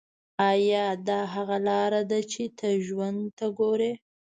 ایا دا هغه لاره ده چې ته ژوند ته ګورې